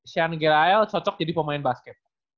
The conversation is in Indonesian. sean gilliel cocok jadi pemain basket